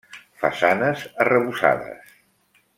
Façanes arrebossades.